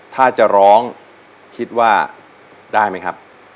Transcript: ถ้าจะร้องคิดว่าได้ไหมครับ